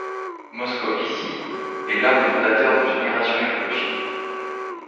Moscovici est l'un des fondateurs de Génération écologie.